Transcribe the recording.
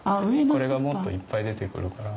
これがもっといっぱい出てくるから。